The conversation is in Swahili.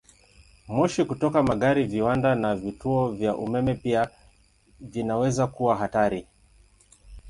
Moshi kutoka magari, viwanda, na vituo vya umeme pia vinaweza kuwa hatari.